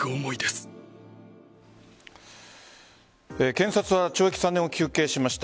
検察は懲役３年を求刑しました。